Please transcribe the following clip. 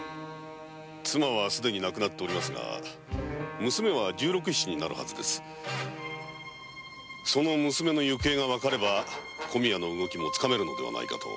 妻は亡くなっていますが娘は十六七になっているハズ娘の行方が分かれば小宮の動きもつかめるのではないかと。